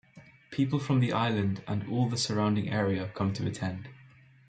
People from the island and all the surrounding area come to attend.